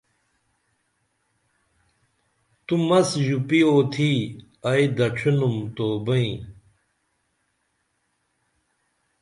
تو مس ژوپی اوتھی ائی دڇھینُم تو بئیں